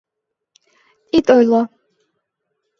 Ит ойло!